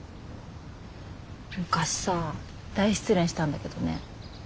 昔さ大失恋したんだけどね